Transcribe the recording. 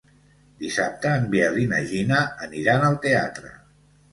Dissabte en Biel i na Gina aniran al teatre.